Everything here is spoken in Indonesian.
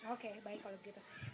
oke baik kalau begitu